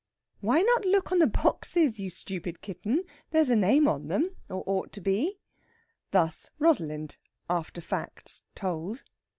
"Why not look on the boxes, you stupid kitten? There's a name on them, or ought to be." Thus Rosalind, after facts told.